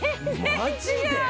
マジで！？